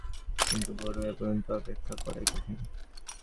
কিন্তু ভোর হওয়া পর্যন্ত অপেক্ষা করাই কঠিন।